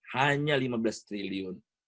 hanya lima belas triliun